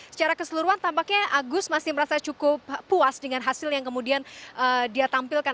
secara keseluruhan tampaknya agus masih merasa cukup puas dengan hasil yang kemudian dia tampilkan